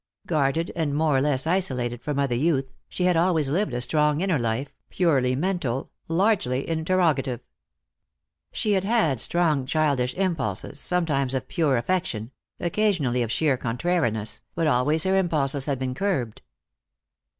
Guarded and more or less isolated from other youth, she had always lived a strong inner life, purely mental, largely interrogative. She had had strong childish impulses, sometimes of pure affection, occasionally of sheer contrariness, but always her impulses had been curbed.